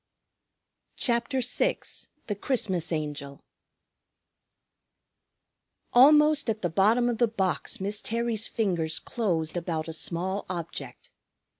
CHAPTER VI THE CHRISTMAS ANGEL Almost at the bottom of the box Miss Terry's fingers closed about a small object.